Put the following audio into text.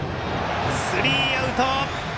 スリーアウト。